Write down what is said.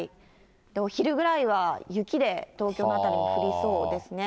お昼ぐらいは雪で、東京の辺りも降りそうですね。